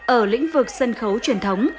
ở lĩnh vực sân khấu truyền thống